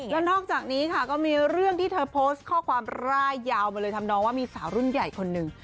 แล้วนอกจากนี้ค่ะก็มีเรื่องที่เธอโพสต์ข้อความร่ายยาวมาเลยทำนองว่ามีสาวรุ่นใหญ่คนหนึ่ง